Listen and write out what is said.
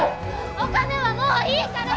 お金はもういいから！